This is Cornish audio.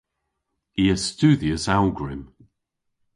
I a studhyas awgwrym.